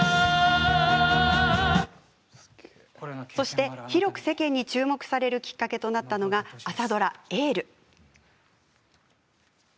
そして、広く世間に注目されるきっかけとなったのが朝ドラ「エール」。